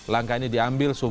langkah ini diambil